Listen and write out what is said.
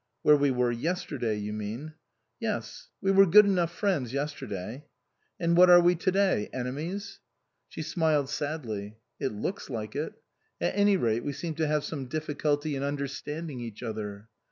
" Where we were yesterday, you mean." " Yes. We were good enough friends yester day." " And what are we to day ? Enemies ?" 173 THE COSMOPOLITAN She smiled sadly. " It looks like it. At any rate, we seem to have some difficulty in under standing each other."